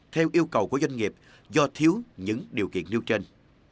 theo yêu cầu của doanh nghiệp do thiếu những điều kiện nêu trên